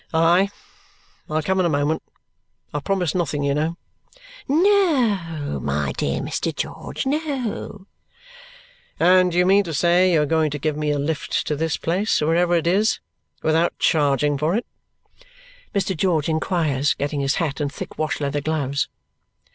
"Aye! I'll come in a moment. I promise nothing, you know." "No, my dear Mr. George; no." "And you mean to say you're going to give me a lift to this place, wherever it is, without charging for it?" Mr. George inquires, getting his hat and thick wash leather gloves.